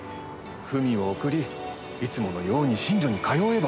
文を送りいつものように寝所に通えば。